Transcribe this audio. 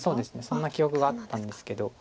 そんな記憶があったんですけど。